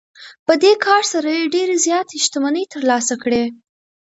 په دې کار سره یې ډېرې زیاتې شتمنۍ ترلاسه کړې